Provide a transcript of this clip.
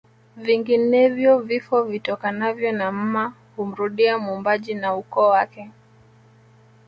Vinginevyo vifo vitokanavyo na mma humrudia mwombaji na ukoo wake